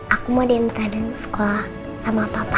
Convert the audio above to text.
aku mau diantar di sekolah sama papa